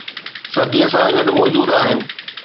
صديءَ سان گڏ موجود آهن